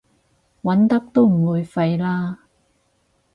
揾得都唔會廢啦